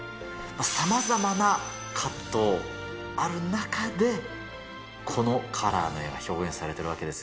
さまざまな葛藤ある中で、このカラーの絵が表現されているわけです。